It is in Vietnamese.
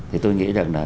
thì tôi nghĩ rằng là